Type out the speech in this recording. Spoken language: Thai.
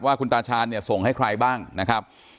ว่าคุณตาชาญเนี่ยส่งให้ใครบ้างนะครับ